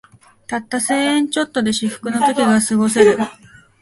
たった千円ちょっとで至福の時がすごせる